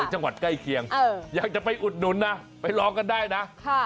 จังหวัดใกล้เคียงอยากจะไปอุดหนุนนะไปลองกันได้นะ